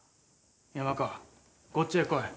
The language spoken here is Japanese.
山川こっちへ来い。